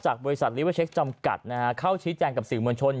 บริษัทลิเวอร์เช็คจำกัดเข้าชี้แจงกับสื่อมวลชน